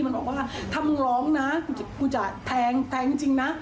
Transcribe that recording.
มันบอกว่าถ้ามึงร้องนะกูจะแทงแทงจริงนะ